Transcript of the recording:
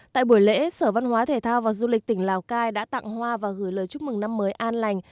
tại buổi lễ sở văn hóa thể thao và du lịch tỉnh lào cai đã tặng hoa và gửi lời chúc mừng năm mới an lành